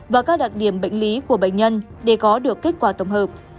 và các đặc điểm bệnh lý của bệnh nhân để có được kết quả tổng hợp